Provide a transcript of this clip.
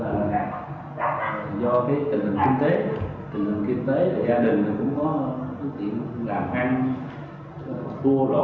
tình hình kinh tế là gia đình cũng có tiện làm ăn thua đổ